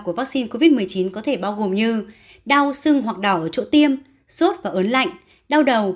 của vaccine covid một mươi chín có thể bao gồm như đau sưng hoặc đỏ ở chỗ tiêm sốt và ớn lạnh đau đầu